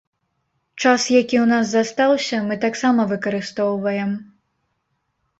Час, які ў нас застаўся, мы таксама выкарыстоўваем.